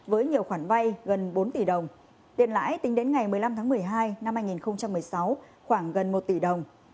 với nhiều khoản vay gần bốn tỷ đồng tiền lãi tính đến ngày một mươi năm tháng một mươi hai năm hai nghìn một mươi sáu khoảng gần một tỷ đồng